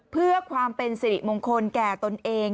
เพื่อความเป็นสิริมงคลแก่ตนเอง